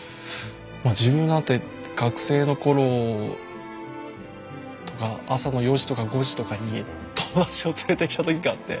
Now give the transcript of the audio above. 自分なんて学生の頃とか朝の４時とか５時とかに友達を連れてきた時があって。